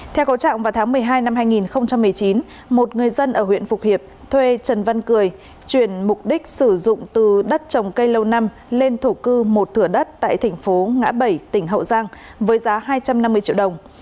theo cầu trạng vào tháng một mươi hai năm hai nghìn một mươi chín một người dân ở huyện phục hiệp thuê trần văn cười chuyển mục đích sử dụng từ đất trồng cây lâu năm lên thổ cư một thửa đất tại thành phố ngã bảy tỉnh hậu giang với giá hai trăm năm mươi triệu đồng